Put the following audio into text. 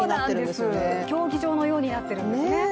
そうです、競技場のようになっているんですね。